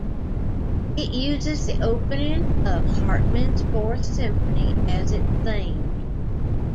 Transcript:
It uses the opening of Hartmann's Fourth Symphony as its theme.